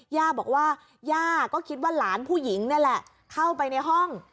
ย่าบอกว่าย่าก็คิดว่าหลานผู้หญิงนี่แหละเข้าไปในห้อง